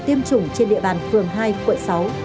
tiêm chủng trên địa bàn phường hai quận sáu